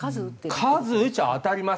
数打ちゃ当たります。